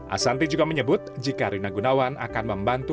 asanti juga menyebut jika rina gunawan akan membantu